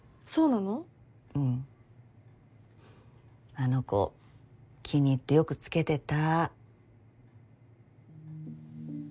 あの子気に入ってよくつけてた。